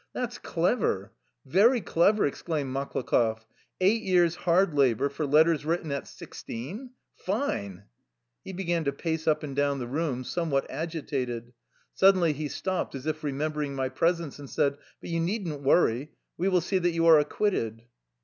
" That 's clever, very clever !" exclaimed Mak lakoff. " Eight years' hard labor for letters written at sixteen ! Fine !" He began to pace up and down the room, some what agitated. Suddenly he stopped, as if re membering my presence, and said :" But you need n't worry. We will see that you are acquitted."